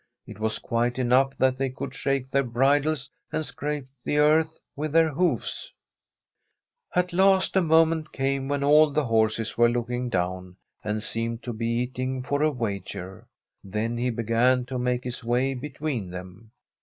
It was quite enough that they could shake their bridles and scrape the earth with dieir hoofs. The STORY of m COUNTRY HOUSE At last a moment came when all the horses were looking down, and seemed to be eating for a wager. Then he began to make his way between them.